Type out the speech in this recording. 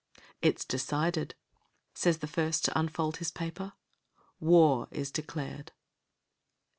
"It's decided," says the first to unfold his paper. "War is declared."